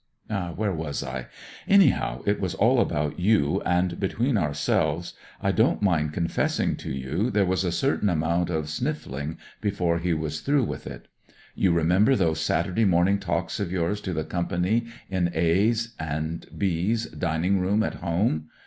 Where was I ? Anyhow, it was all about you, and between ourselves 146 NEWS FOR HOME O.C. COMPANY I don't mind confessing to you there was a certain amount of sniffling before he was through with it. You remember those Saturday morning talks of yours to the Company in • A ' and * B*s ' dining room at home.